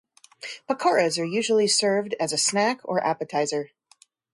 Pakoras are usually served as a snack or appetiser.